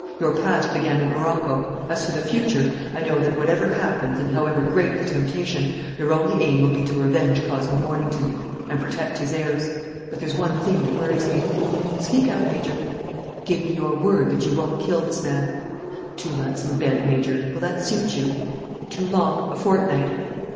Your past began in Morocco. As for the future, I know that, whatever happens and however great the temptation, your only aim will be to revenge Cosmo Mornington and protect his heirs. But there's one thing that worries me." "Speak out, Major." "Give me your word that you won't kill this man." "Two months in bed, Major; will that suit you?" "Too long. A fortnight."